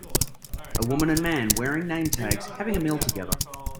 A woman and man, wearing name tags, having a meal together.